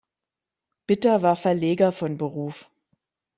Bitter war Verleger von Beruf.